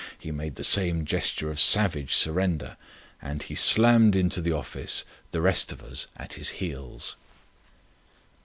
He made the same gesture of savage surrender. And he slammed into the office, the rest of us at his heels.